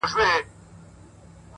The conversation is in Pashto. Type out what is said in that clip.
فلسفې نغښتي دي؛